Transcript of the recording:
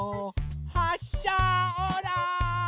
はっしゃオーライ！